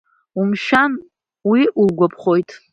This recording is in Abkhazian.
Умшәан, уи улгәаԥхоит!